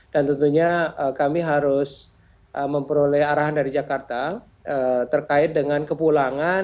dan tentunya kami harus memperoleh arahan dari jakarta terkait dengan kepulangan